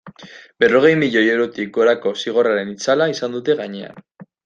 Berrogei milioi eurotik gorako zigorraren itzala izan dute gainean.